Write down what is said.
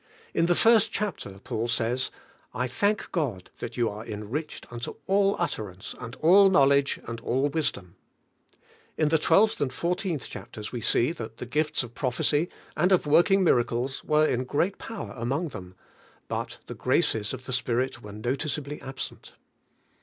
In the first chapter Paul says, "I thank God that you are enriched unto all utterance, and all knowledge, and all wisdom." In the 12th and 14th chapters we see that the gifts of prophecy and of working miracles were in great power CARNAL CHRISTIANS 13 among them ; but the graces of the Spirit were noticeably absent.